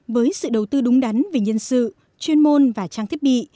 với sự đầu tư đúng đắn về nhân sự chuyên môn và trang thiết bị